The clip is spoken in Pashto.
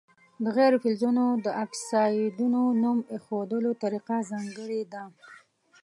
د غیر فلزونو د اکسایدونو نوم ایښودلو طریقه ځانګړې ده.